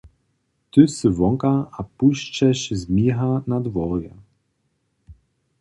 Ty sy wonka a pušćeš zmija na dworje.